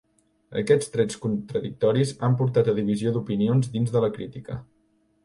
Aquests trets contradictoris han portat a divisió d'opinions dins de la crítica.